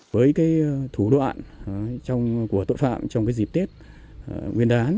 với cái thủ đoạn của tội phạm trong cái dịp tết nguyên đoán